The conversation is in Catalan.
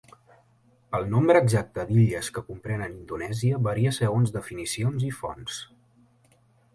El nombre exacte d'illes que comprenen Indonèsia varia segons definicions i fonts.